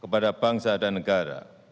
kepada bangsa dan negara